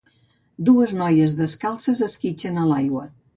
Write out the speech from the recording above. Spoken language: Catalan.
Dues noies descalces esquitxen a l'aigua